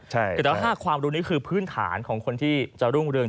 แต่ถ้าความรู้นี้คือพื้นฐานของคนที่จะรุ่งเรือง